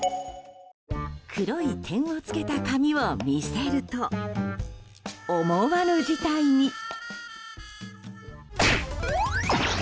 黒い点をつけた紙を見せると思わぬ事態に。